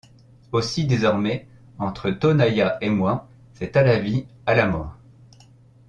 Aussi désormais, entre Tonaïa et moi, c’est à la vie, à la mort!